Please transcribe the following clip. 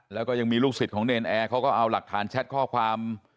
แล้วก็ยังมีลูกศิษย์ของเนรนแอร์เขาก็เอาหลักฐานแชทข้อความ